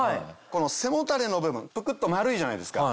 この背もたれの部分プクっと丸いじゃないですか